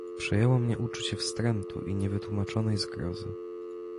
"Przejęło mnie uczucie wstrętu i niewytłumaczonej zgrozy."